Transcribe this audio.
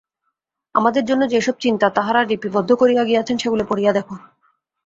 আমাদের জন্য যে-সব চিন্তা তাঁহারা লিপিবদ্ধ করিয়া গিয়াছেন, সেগুলি পড়িয়া দেখ।